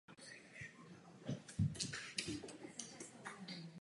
Největší realizací pak byl Kolektivní dům v Litvínově.